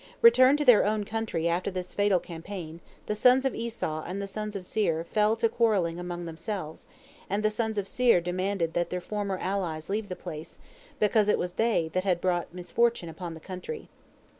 Returned to their own country after this fatal campaign, the sons of Esau and the sons of Seir fell to quarrelling among themselves, and the sons of Seir demanded that their former allies leave the place, because it was they that had brought misfortune upon the country.